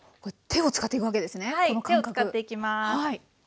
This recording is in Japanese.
はい手を使っていきます。